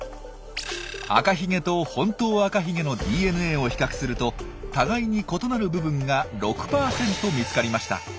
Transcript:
アカヒゲとホントウアカヒゲのＤＮＡを比較すると互いに異なる部分が６％見つかりました。